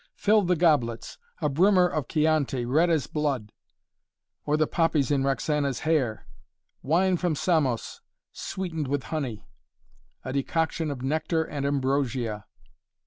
"Fill the goblets! A brimmer of Chianti, red as blood " "Or the poppies in Roxana's hair!" "Wine from Samos sweetened with honey." "A decoction of Nectar and Ambrosia."